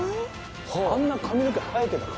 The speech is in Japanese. あんな髪の毛生えてたか？